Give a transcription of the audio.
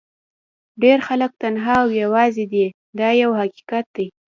ډېر خلک تنها او یوازې دي دا یو حقیقت دی.